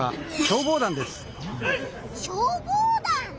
消防団？